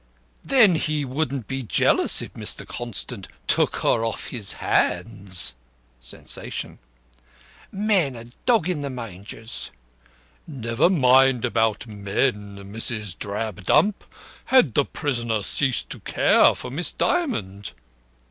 "Then he wouldn't be jealous if Mr. Constant took her off his hands?" (Sensation.) "Men are dog in the mangers." "Never mind about men, Mrs. Drabdump. Had the prisoner ceased to care for Miss Dymond?"